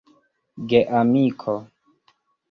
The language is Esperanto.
geamiko